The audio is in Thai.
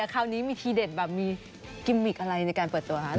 คราวนี้มีทีเด็ดแบบมีกิมมิกอะไรในการเปิดตัวคะ